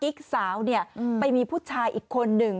เรื่องกิ๊กสาวเนี่ยต้องได้ไปมีผู้ชายอีกคนหนึ่ง